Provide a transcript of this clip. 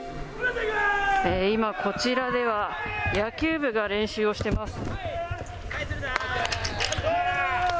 今、こちらでは野球部が練習をしてます。